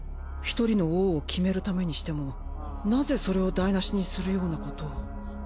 １人の王を決めるためにしてもなぜそれを台なしにするようなことを。